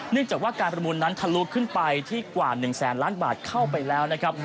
จากว่าการประมูลนั้นทะลุขึ้นไปที่กว่า๑แสนล้านบาทเข้าไปแล้วนะครับ